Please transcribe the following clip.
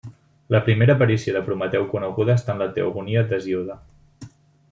La primera aparició de Prometeu coneguda està en la Teogonia d'Hesíode.